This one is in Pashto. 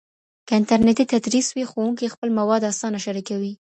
که انټرنېټي تدریس وي، ښوونکي خپل مواد اسانه شریکوي.